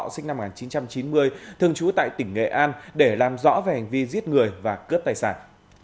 sinh năm một nghìn chín trăm chín mươi thường trú tại tỉnh nghệ an để làm rõ về hành vi giết người và cướp tài sản